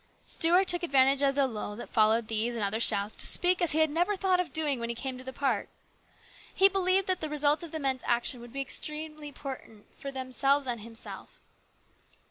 Stuart took advantage of the lull that followed these and other shouts to speak as he had never thought of doing when he came to the park. He believed that the result of the men's action would be exceedingly important for themselves and himself.